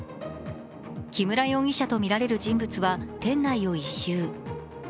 木村容疑者とみられる人物は店内を一周。